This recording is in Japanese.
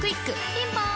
ピンポーン